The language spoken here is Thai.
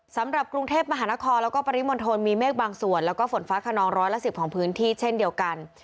สำหรับกรุงเทพมหานครแล้วก็ปริมณฑลมีเมฆบางส่วนแล้วก็ฝนฟ้าขนองร้อยละ๑๐ของพื้นที่เช่นเดียวกัน